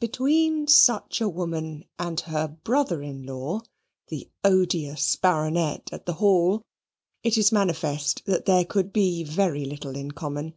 Between such a woman and her brother in law, the odious Baronet at the Hall, it is manifest that there could be very little in common.